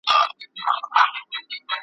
خدای خبر چي بیا پیدا کړې داسی نر بچی ښاغلی ,